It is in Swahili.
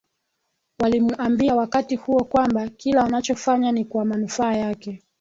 Walimuambia wakati huo kwamba kila wanachofanya ni kwa manufaa yake